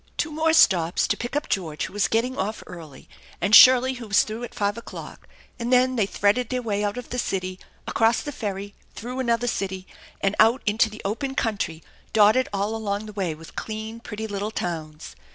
Two more stops to pick up George, who was getting off early, and Shirley, who was through at five o'clock, and then they threaded their way out of the city, across the ferry, through another city, and out into the open country, dotted all along the way with clean, pretty little towns.